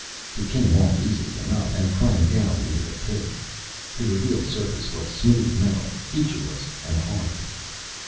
It came off easily enough and clanged down into the pit. The revealed surface was smooth metal, featureless and hard.